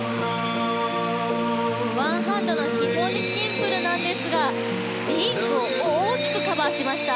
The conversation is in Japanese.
ワンハンドの非常にシンプルなんですがリンクを大きくカバーしました。